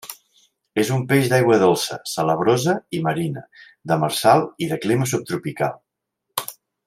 És un peix d'aigua dolça, salabrosa i marina; demersal i de clima subtropical.